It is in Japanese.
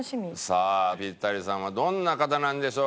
さあピッタリさんはどんな方なんでしょうか？